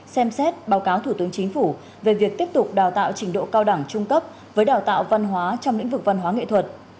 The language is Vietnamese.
xem xét báo cáo thủ tướng chính phủ về việc tiếp tục đào tạo trình độ cao đẳng trung cấp với đào tạo văn hóa trong lĩnh vực văn hóa nghệ thuật